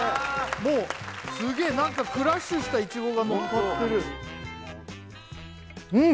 もうすげえ何かクラッシュした苺がのっかってるうん